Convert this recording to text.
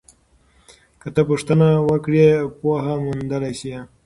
که ته پوښتنه وکړې پوهه موندلی سې.